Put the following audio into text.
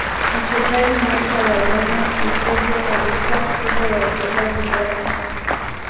mchezaji nyota wa Ureno eusebio alitwaa tuzo ya uchezaji bora